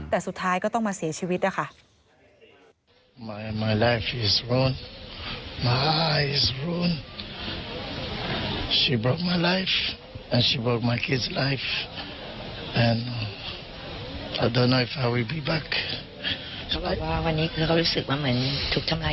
แต่สุดท้ายก็ต้องมาเสียชีวิตนะคะ